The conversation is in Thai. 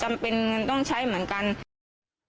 ความปลอดภัยของนายอภิรักษ์และครอบครัวด้วยซ้ำ